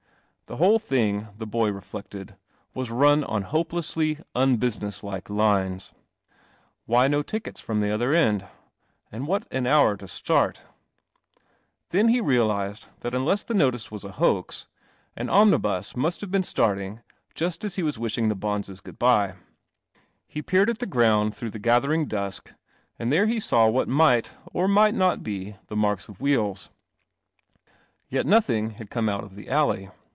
The whole thing, the boy reflected, was run on hopelessly unbusiness like lines. Why no tickets from the other end? And what an hour to start! Then he realized that unless the notice was a hoax, an 58 I I ! I CEL1 1 1 u. ' >MNIB1 nnibus must have 1 rarting just u lie wi wishing the Bonsc He peered at the ground thr< >ugh the gathering dusk, and there he saw what might or might not be the mar wheels. Yetnothingha ie out of the alley